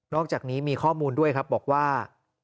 อกจากนี้มีข้อมูลด้วยครับบอกว่า